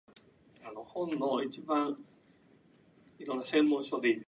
Slept in the same bed with her.